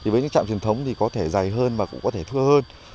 với những trạm truyền thống thì có thể dày hơn và cũng có thể thưa hơn